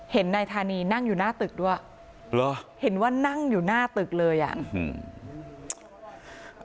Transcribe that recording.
นายธานีนั่งอยู่หน้าตึกด้วยเหรอเห็นว่านั่งอยู่หน้าตึกเลยอ่ะอื้อหือ